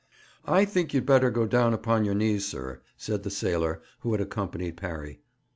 'I think you'd better go down upon your knees, sir,' said the sailor who had accompanied Parry.